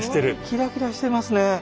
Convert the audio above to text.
キラキラしてますね。